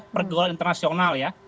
pergaulan internasional ya